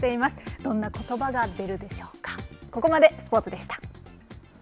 どんなことばが出るでしょうか。